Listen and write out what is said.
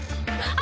あ。